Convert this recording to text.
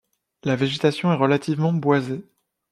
La végétation est relativement boisée.